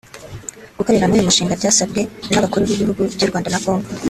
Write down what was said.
Gukorera hamwe uyu mushinga byasabwe n’Abakuru b’ibihugu by’u Rwanda na Congo